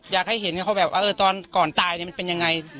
อยากให้เห็นเขาแบบว่าตอนก่อนตายมันเป็นยังไง